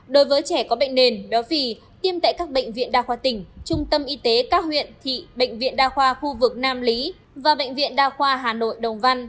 đối với trẻ có bệnh nền béo phì tiêm tại các bệnh viện đa khoa tỉnh trung tâm y tế các huyện thị bệnh viện đa khoa khu vực nam lý và bệnh viện đa khoa hà nội đồng văn